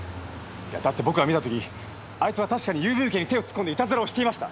だって僕が見た時あいつは確かに郵便受けに手を突っ込んでいたずらをしていました！